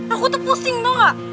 aku tuh pusing tau gak